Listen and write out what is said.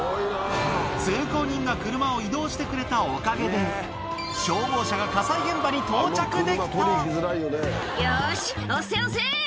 通行人が車を移動してくれたおかげで、消防車が火災現場に到着でよーし、押せ、押せ！